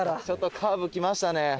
ちょっとカーブきましたね。